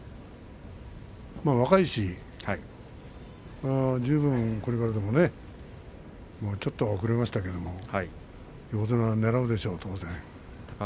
若いし十分これからでもねちょっと遅れましたけど横綱をねらうんでしょう、当然ね。